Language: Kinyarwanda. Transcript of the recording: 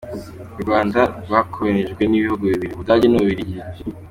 U Rwanda rwakoronijwe n’ibihugu bibiri: Ubudage n’Ububirigi.